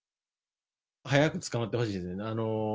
早く捕まってほしいですね。